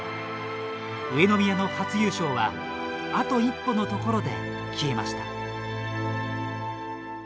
上宮の初優勝はあと一歩のところで消えました。